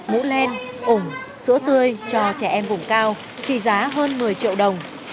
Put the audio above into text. mũ len ủng sữa tươi cho trẻ em vùng cao trị giá hơn một mươi triệu đồng